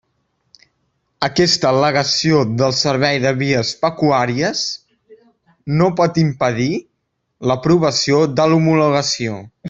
Aquesta al·legació del Servei de Vies Pecuàries no pot impedir l'aprovació de l'homologació.